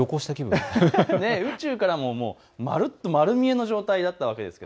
宇宙からも丸見えの状態だったわけです。